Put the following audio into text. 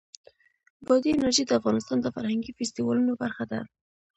بادي انرژي د افغانستان د فرهنګي فستیوالونو برخه ده.